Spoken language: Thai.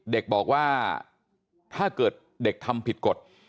เด็กบอกว่าถ้าเกิดเด็กทำผิดกฎ